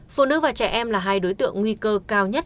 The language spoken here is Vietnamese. phụ nữ và trẻ em là hai đối tượng nguy cơ cao nhất